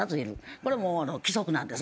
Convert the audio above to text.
これもう規則なんですね。